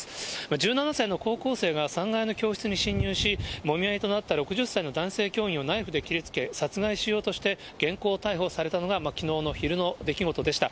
１７歳の高校生が３階の教室に侵入し、もみ合いとなった６０歳の男性教員をナイフで切りつけ殺害しようとして、現行犯逮捕されたのが、きのうの昼の出来事でした。